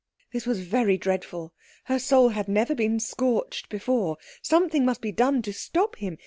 This was very dreadful. Her soul had never been scorched before. Something must be done to stop him.